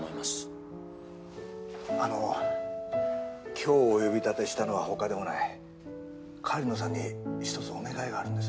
あの今日お呼び立てしたのは他でもない狩野さんに一つお願いがあるんです。